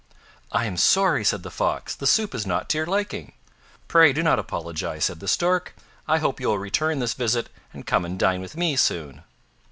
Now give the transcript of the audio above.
"I am sorry," said the Fox, "the soup is not to your liking." "Pray do not apologize," said the Stork. "I hope you will return this visit, and come and dine with me soon."